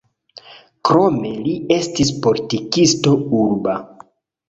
Krome li estis politikisto urba.